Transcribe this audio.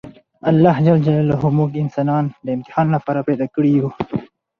الله ج موږ انسانان د امتحان لپاره پیدا کړي یوو!